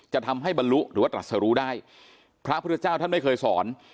จะทำให้บรรลุหรือว่าตรัสรู้ได้พระพุทธเจ้าท่านไม่เคยสอน